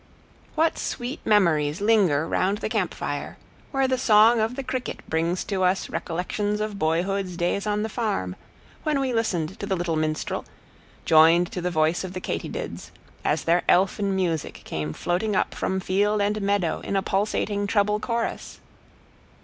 What sweet memories linger round the camp fire, where the song of the cricket brings to us recollections of boyhood's days on the farm, when we listened to the little minstrel, joined to the voice of the katydids, as their elfin music came floating up from field and meadow in a pulsating treble chorus.